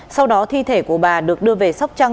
sau đó thi thể của bà được đưa về sóc trăng